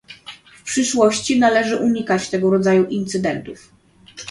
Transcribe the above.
W przyszłości należy unikać tego rodzaju incydentów